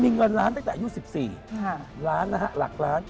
มีเงินล้านตั้งแต่อายุ๑๔ล้านนะฮะหลักล้าน